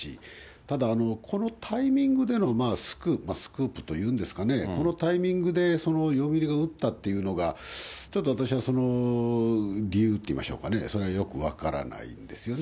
ただ、このタイミングでのスクープ、スクープというんですかね、このタイミングで、読売が打ったというのが、ちょっと私は、その理由っていうか、それはよく分からないんですよね。